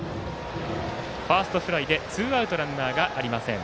ファーストフライでツーアウト、ランナーありません。